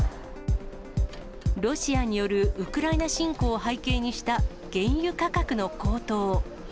ロシアによるウクライナ侵攻を背景にした、原油価格の高騰。